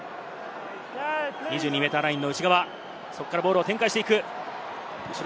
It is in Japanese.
２２ｍラインの内側、そこからボールを展開していく。